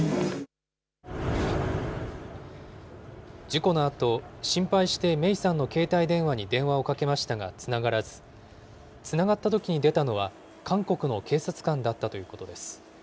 事故のあと、心配して芽生さんの携帯電話に電話をかけましたがつながらず、つながったときに出たのは韓国の警察官だったということです。